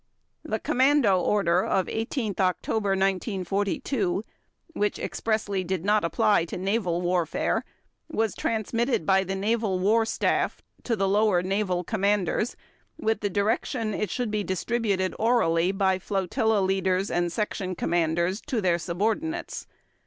The Commando Order of 18 October 1942, which expressly did not apply to naval warfare, was transmitted by the Naval War Staff to the lower naval commanders with the direction it should be distributed orally by flotilla leaders and section commanders to their subordinates.